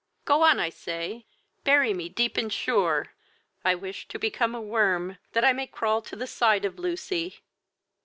Go on, I say, bury me deep and sure! I wish to become a worm, that I may crawl to the side of Lucy.